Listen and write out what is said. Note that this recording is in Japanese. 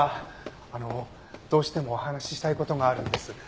あのどうしてもお話ししたい事があるんです。